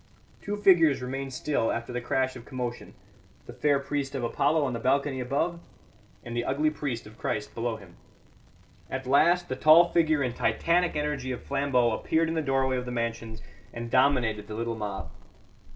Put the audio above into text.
Two figures remained still after the crash of commotion: the fair priest of Apollo on the balcony above, and the ugly priest of Christ below him. At last the tall figure and titanic energy of Flambeau appeared in the doorway of the mansions and dominated the little mob.